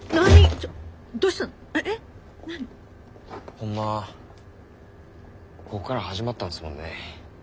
ホンマここから始まったんですもんね。